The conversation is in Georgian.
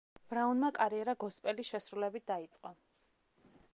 ბრაუნმა კარიერა გოსპელის შესრულებით დაიწყო.